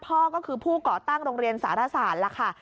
พ่อก็คือผู้ก่อตั้งโรงเรียนสารศาสตร์ล่ะค่ะ